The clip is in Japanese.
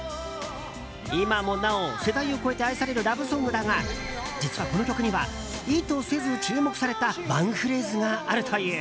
今もなお、世代を超えて愛されるラブソングだが実は、この曲には意図せず注目されたワンフレーズがあるという。